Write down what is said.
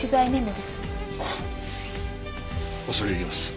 ああ恐れ入ります。